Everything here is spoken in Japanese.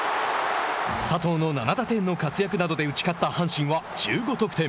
佐藤の７打点の活躍などで打ち勝った阪神は１５得点。